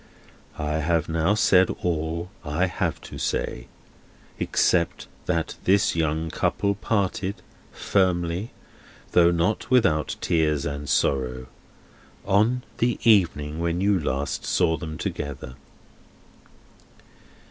"I have now said all I have to say: except that this young couple parted, firmly, though not without tears and sorrow, on the evening when you last saw them together."